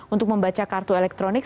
untuk membaca kartu elektronik